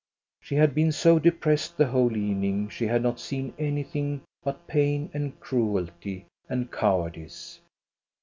She had been so depressed the whole evening she had not seen anything but pain and cruelty and cowardice.